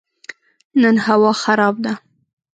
نن هوا خراب ده